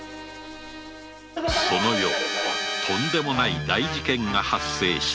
その夜とんでもない大事件が発生した